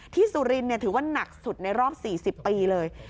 สุรินถือว่าหนักสุดในรอบ๔๐ปีเลย